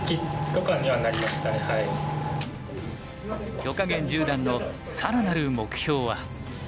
許家元十段の更なる目標は。